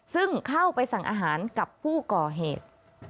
ซึ่งเข้าไปสั่งอาหารกับผู้ก่อเหตุ